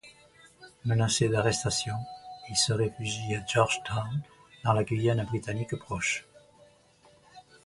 Menacé d'arrestation, il se réfugie à Georgetown dans la Guyane britannique proche.